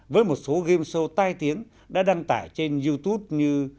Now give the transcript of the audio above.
với một số game show tai tiếng đã đăng tải trên youtube như